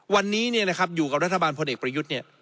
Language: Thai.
วันนี้เนี่ยนะครับอยู่กับรัฐบาลพลเอกประยุทธ์เนี่ย